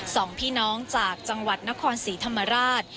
สองพี่น้องจากจังหวัดนครศรีธรรมราช